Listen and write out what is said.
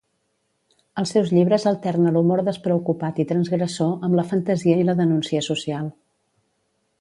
Als seus llibres alterna l'humor despreocupat i transgressor amb la fantasia i la denúncia social.